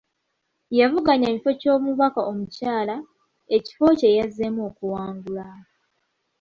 Yavuganya ku kifo ky’omubaka omukyala, ekifo kye yazzeemu okuwangula.